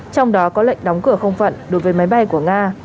trong đó có lệnh đóng cửa không phận đối với máy bay của nga